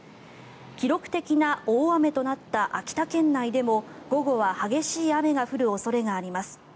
記録的な大雨となった秋田県内でも午後は激しい雨が降る恐れがあります。